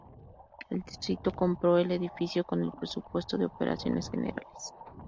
El distrito compró el edificio con el presupuesto de operaciones generales.